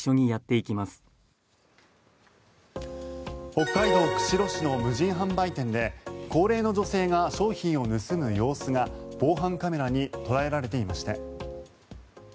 北海道釧路市の無人販売店で高齢の女性が商品を盗む様子が防犯カメラに捉えられていました。